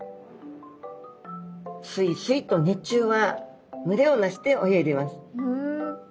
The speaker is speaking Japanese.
スイスイと日中は群れを成して泳いでいます。